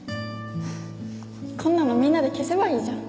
こんなのみんなで消せばいいじゃん。